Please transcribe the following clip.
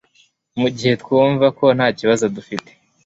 Mugihe twumva ko ntakibazo dufite